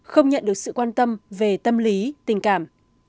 không nhận được sự quan tâm về tâm lý tình cảm